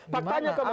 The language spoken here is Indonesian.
pak tanya kemarin